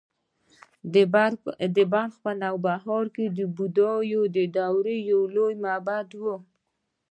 د بلخ نوبهار د بودايي دورې لوی معبد و